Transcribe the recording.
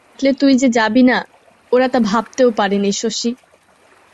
ডাকলে তুই যে যাবি না, ওরা তা ভাবতেও পারেনি শশী।